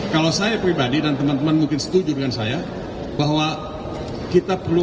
kalau saya pribadi dan teman teman mungkin setuju dengan saya bahwa kita perlu